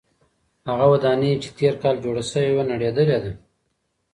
هغه ودانۍ چې تېر کال جوړه شوې وه نړېدلې ده.